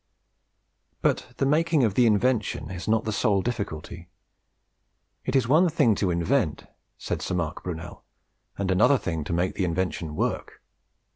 But the making of the invention is not the sole difficulty. It is one thing to invent, said Sir Marc Brunel, and another thing to make the invention work.